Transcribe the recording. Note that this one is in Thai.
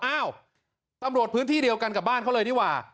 อ้าวตำรวจพื้นที่เดียวกันกับบ้านเขาเลยดีกว่า